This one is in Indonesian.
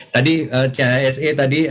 tadi chse tadi